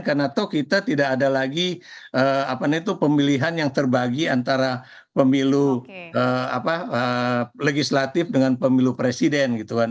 karena kita tidak ada lagi pemilihan yang terbagi antara pemilu legislatif dengan pemilu presiden gitu kan